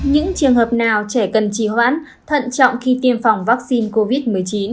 những trường hợp nào trẻ cần trì hoãn thận trọng khi tiêm phòng vaccine covid một mươi chín